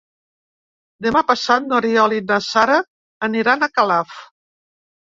Demà passat n'Oriol i na Sara aniran a Calaf.